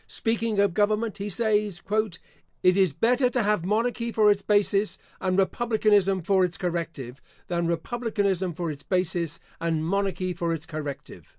Speaking of government, he says, "It is better to have monarchy for its basis, and republicanism for its corrective, than republicanism for its basis, and monarchy for its corrective."